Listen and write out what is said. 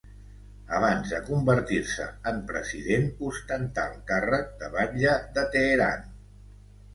Abans de convertir-se en president, ostentà el càrrec de batlle de Teheran.